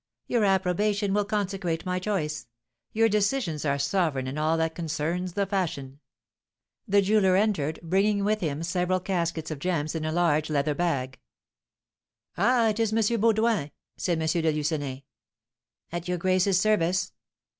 Your approbation will consecrate my choice; your decisions are sovereign in all that concerns the fashion." The jeweller entered, bringing with him several caskets of gems in a large leather bag. "Ah, it is M. Baudoin!" said M. de Lucenay. "At your grace's service."